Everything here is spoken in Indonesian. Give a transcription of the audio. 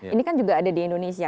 ini kan juga ada di indonesia